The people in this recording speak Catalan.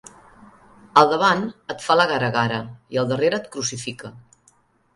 Al davant et fa la gara-gara i al darrere et crucifica.